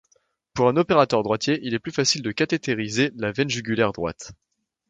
Pour un opérateur droitier, il est plus facile de cathétériser la veine jugulaire droite.